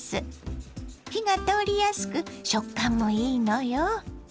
火が通りやすく食感もいいのよ。